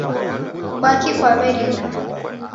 Kwaki kwawelila